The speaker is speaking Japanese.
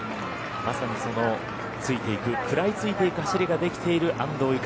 まさにそのついていく食らいついていく走りができている安藤友香。